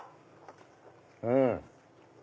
うん！